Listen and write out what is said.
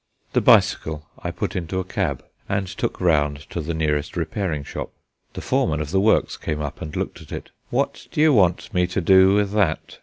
The bicycle I put into a cab and took round to the nearest repairing shop. The foreman of the works came up and looked at it. "What do you want me to do with that?"